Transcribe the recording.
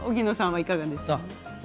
いかがですか？